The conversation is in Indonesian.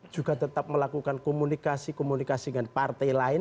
juga tetap melakukan komunikasi komunikasi dengan partai lain